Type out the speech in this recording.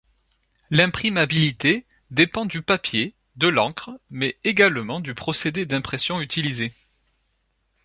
L'imprimabilité dépend du papier, de l'encre mais également du procédé d'impression utilisé.